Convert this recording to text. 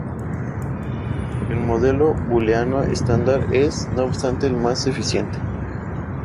El Modelo Booleano estándar es, no obstante, el más eficiente.